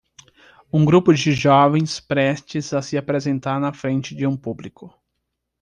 um grupo de jovens prestes a se apresentar na frente de um público.